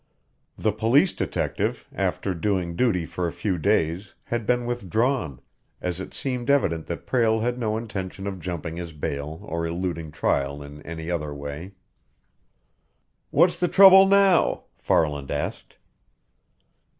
The police detective, after doing duty for a few days, had been withdrawn, as it seemed evident that Prale had no intention of jumping his bail or eluding trial in any other way. "What's the trouble now?" Farland asked.